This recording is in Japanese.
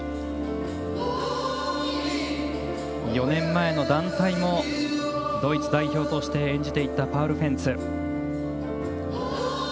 ４年前の団体もドイツ代表として演じていったパウル・フェンツ。